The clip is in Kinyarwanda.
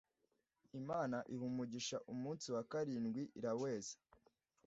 “imana iha umugisha umunsi wa karindwi iraweza”